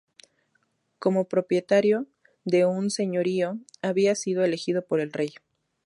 Como propietario de un señorío, había sido elegido por el rey.